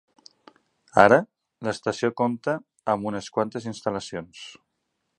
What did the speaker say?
Ara, l'estació compta amb unes quantes instal·lacions.